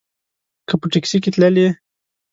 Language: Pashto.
که په ټیکسي کې تللې.